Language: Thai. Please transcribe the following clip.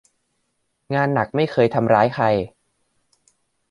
งานหนักไม่เคยทำร้ายใคร